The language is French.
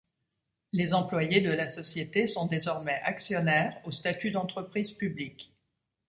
Les employés de la société sont désormais actionnaires au statut d’entreprise publique.